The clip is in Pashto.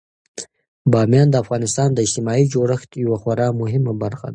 بامیان د افغانستان د اجتماعي جوړښت یوه خورا مهمه برخه ده.